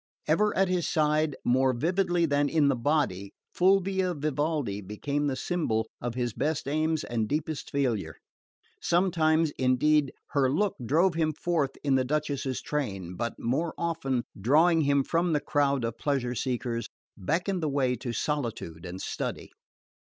Ever at his side, more vividly than in the body, Fulvia Vivaldi became the symbol of his best aims and deepest failure. Sometimes, indeed, her look drove him forth in the Duchess's train, but more often, drawing him from the crowd of pleasure seekers, beckoned the way to solitude and study.